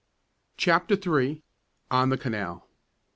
CHAPTER III. ON THE CANAL.